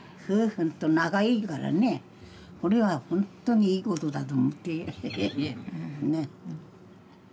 うんと仲いいからねこれは本当にいいことだと思って。